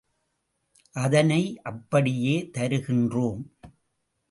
அதனை அப்படியே தருகின்றோம்.